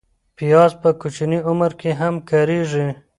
پیاز په کوچني عمر کې هم کارېږي